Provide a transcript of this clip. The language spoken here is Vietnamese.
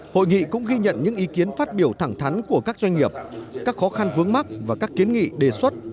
hội nghị cũng ghi nhận những ý kiến phát biểu thẳng thắn của các doanh nghiệp các khó khăn vướng mắt và các kiến nghị đề xuất